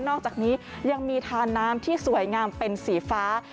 อกจากนี้ยังมีทานน้ำที่สวยงามเป็นสีฟ้า